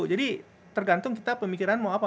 jadi tergantung kita pemikiran mau apa